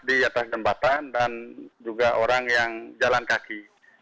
di atas jembatan dan juga orang yang jalan kaki